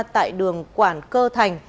tại đường quản cơ thành